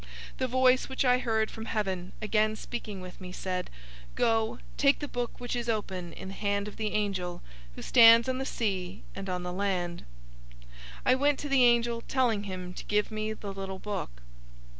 010:008 The voice which I heard from heaven, again speaking with me, said, "Go, take the book which is open in the hand of the angel who stands on the sea and on the land." 010:009 I went to the angel, telling him to give me the little book.